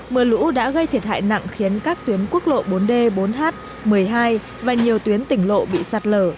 mưa lũ đã gây thiệt hại nặng khiến các tuyến quốc lộ bốn d bốn h một mươi hai và nhiều tuyến tỉnh lộ bị sạt lở